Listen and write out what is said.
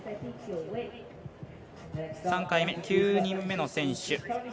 ３回目、９人目の選手